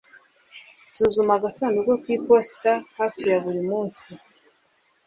Nsuzuma agasanduku kiposita hafi buri munsi